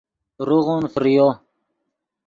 روغون فریو